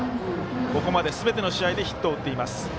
ここまですべての試合でヒットを打っています。